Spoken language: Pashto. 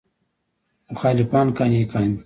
مخالفان قانع کاندي.